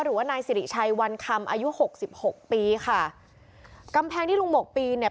หรือว่านายสิริชัยวันคำอายุหกสิบหกปีค่ะกำแพงที่ลุงหมกปีนเนี่ย